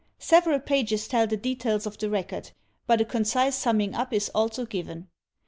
Several pages tell the details of the record, but a concise simiming up is also given.